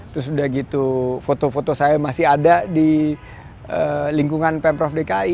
terus udah gitu foto foto saya masih ada di lingkungan pemprov dki